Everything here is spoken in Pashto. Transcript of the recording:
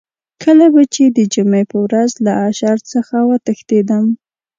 کله به چې د جمعې په ورځ له اشر څخه وتښتېدم.